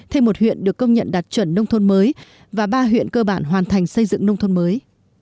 thêm một huyện được công nhận đạt chuẩn nông thôn mới và ba huyện cơ bản hoàn thành xây dựng nông thôn mới